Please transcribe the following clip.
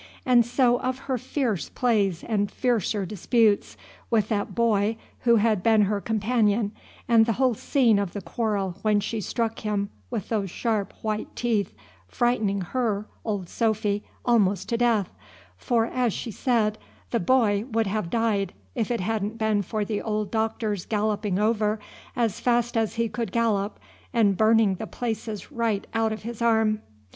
And so of her fierce plays and fiercer disputes with that boy who had been her companion, and the whole scene of the quarrel when she struck him with those sharp white teeth, frightening her, old Sophy, almost to death; for, as she said, the boy would have died, if it hadn't been for the old Doctor's galloping over as fast as he could gallop and burning the places right out of his arm.